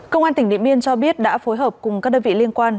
công an tỉnh điện biên cho biết đã phối hợp cùng các đơn vị liên quan